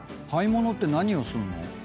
買い物って何をすんの？